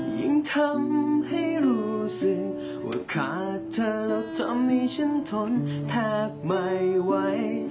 ยิ่งทำให้รู้สึกว่าขาดเธอแล้วทำให้ฉันทนแทบไม่ไหว